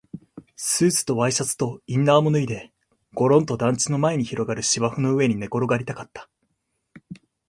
スーツとワイシャツとインナーも脱いで、ごろんと団地の前に広がる芝生の上に寝転がりたかった